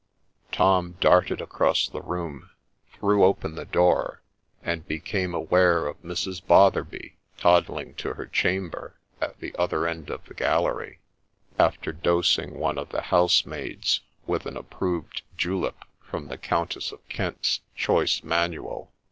Tom darted across the room, threw open the door, and became aware of Mrs. Botherby toddling to her chamber, at the other end of the gallery, after dosing one of the housemaids with an approved julep from the Countess of Kent's ' Choice Manual.'